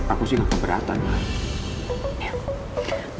aku sih gak keberatan lah